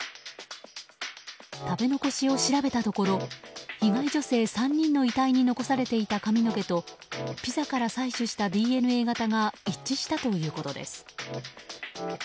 食べ残しを調べたところ被害女性３人の遺体に残されていた髪の毛とピザから採取したＤＮＡ型が一致したということです。